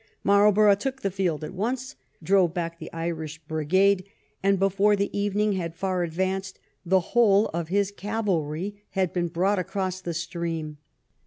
Marlborough took the field at once, drove back the Irish brigade, and before the evening had far advanced the whole of his cavalry had been brought across the stream.